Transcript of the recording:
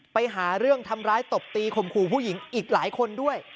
ไปหาเรื่องทำร้ายตบตีขมครภูเขาหลายคนด้วย